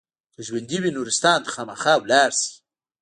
که ژوندي وي نورستان ته خامخا لاړ شئ.